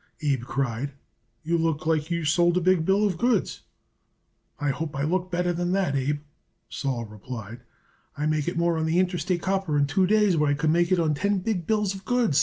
Abe cried. "You look like you sold a big bill of goods." "I hope I look better than that, Abe," Sol replied. "I make it more on that Interstate Copper in two days what I could make it on ten big bills of goods.